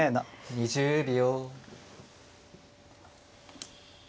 ２０秒。